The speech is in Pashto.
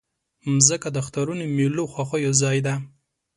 مځکه د اخترونو، میلو، خوښیو ځای ده.